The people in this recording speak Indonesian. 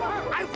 aduh ayuh ayuh